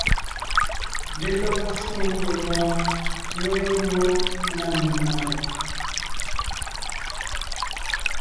Lelɔgɔ shwòŋo ngiembɔɔn ŋweʼe mmó na menɔ̀ɔn.